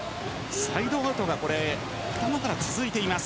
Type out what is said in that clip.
サイドアウトが頭から続いています。